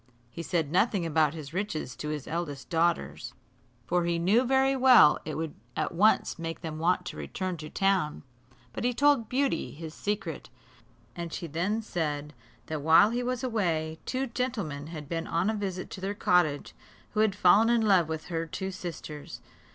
He said nothing about his riches to his eldest daughters, for he knew very well it would at once make them want to return to town; but he told Beauty his secret, and she then said, that while he was away, two gentlemen had been on a visit to their cottage, who had fallen in love with her two sisters.